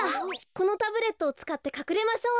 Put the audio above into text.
このタブレットをつかってかくれましょう。